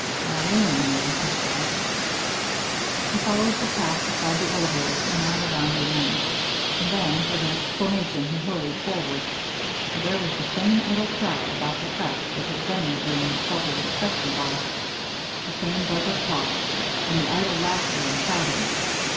"All in, eh," he said. He followed the path beside the elevator and on around the end, and then, with an exclamation, he hurried forward; for there was the same idle crowd about the tracks that had been there during the trouble with the section boss the same buzz of talk, and the idle laughter and shouting.